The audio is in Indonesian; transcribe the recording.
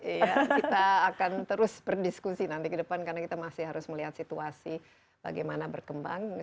iya kita akan terus berdiskusi nanti ke depan karena kita masih harus melihat situasi bagaimana berkembang